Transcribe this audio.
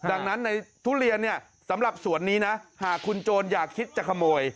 ดังนั้นในทุเรียนเนี่ยสำหรับสวนนี้นะหากคุณโจรอยากคิดจะขโมย